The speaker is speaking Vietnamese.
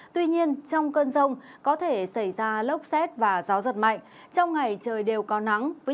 tuy nhiên trong cơn rông có thể xảy ra lốc xét và gió giật mạnh trong ngày trời đều có nắng với